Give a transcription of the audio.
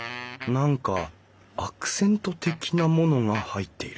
何かアクセント的なものが入っている。